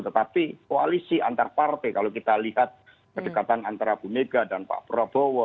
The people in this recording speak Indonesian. tetapi koalisi antar partai kalau kita lihat kedekatan antara bu mega dan pak prabowo